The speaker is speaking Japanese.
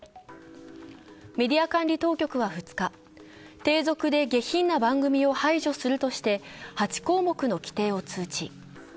メディア管理当局は２日、低俗で下品な番組を排除するとして８項目の規定を通知。